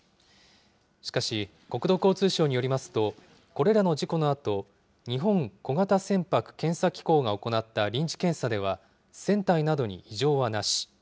しかし、国土交通省によりますと、これらの事故のあと、日本小型船舶検査機構が行った臨時検査では、船体などに異常はなし。